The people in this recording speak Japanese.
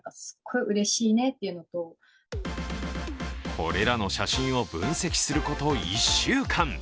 これらの写真を分析すること１週間。